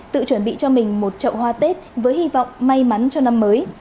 tự chuẩn bị cho mình một chậu hoa tết với hy vọng may mắn cho năm mới